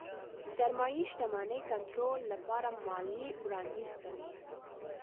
سرمايې شتمنۍ کنټرول لپاره ماليې وړانديز کوي.